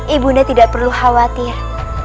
ibu undah tidak perlu khawatir